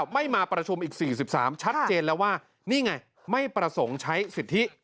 ไม่มาประชุมอีก๔๓ชัดเจนแล้วว่านี่ไงไม่ประสงค์ใช้สิทธิ